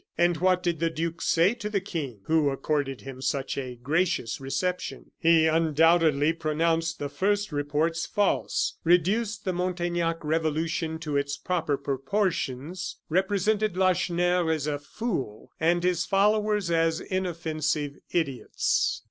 And what did the duke say to the King, who accorded him such a gracious reception? He undoubtedly pronounced the first reports false, reduced the Montaignac revolution to its proper proportions, represented Lacheneur as a fool, and his followers as inoffensive idiots.